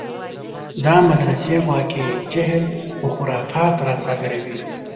دا مدرسې ګواکې جهل و خرافات راصادروي.